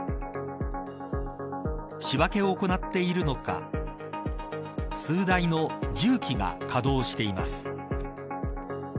仕分けを行っているのか数台の重機が稼働しています。